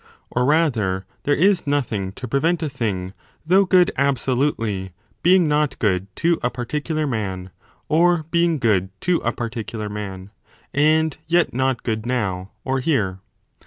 Or rather there is nothing to prevent a thing, though good absolutely, being not good to a particular man, or being good to a particular man, and yet not good now or here.